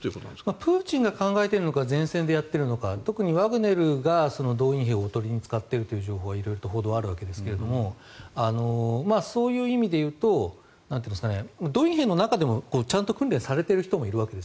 プーチンが考えているのか前線でやっているのか特にワグネルが動員兵をおとりに使っているという情報は色々と報道があるわけですがそういう意味で言うと動員兵の中でもちゃんと訓練されている人もいるわけです。